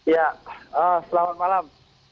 ya selamat malam